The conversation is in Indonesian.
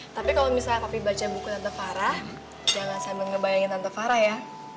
tapi kalau misalnya papi baca buku tante farah jangan sambil ngebayangin tante farah ya